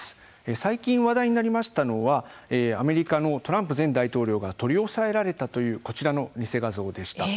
最近話題になりましたのはアメリカのトランプ前大統領が取り押さえられたというこちらの偽画像でした。